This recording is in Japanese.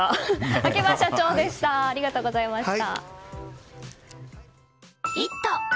秋葉社長でしたありがとうございました。